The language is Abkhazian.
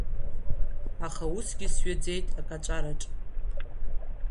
Аха усгьы сҩаӡеит акаҵәараҿ…